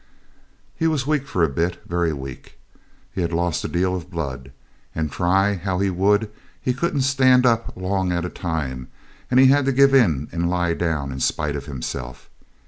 He was weak for a bit very weak; he'd lost a deal of blood; and, try how he would, he couldn't stand up long at a time, and had to give in and lie down in spite of himself.